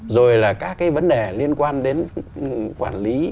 rồi là các cái vấn đề liên quan đến quản lý